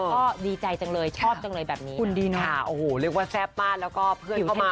ก็ดีใจจังเลยชอบจังเลยแบบนี้คุณดีนะค่ะโอ้โหเรียกว่าแซ่บมากแล้วก็เพื่อนเข้ามา